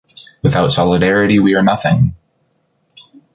Without solidarity, we are nothing.